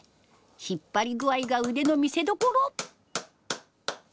引っ張り具合が腕の見せどころ。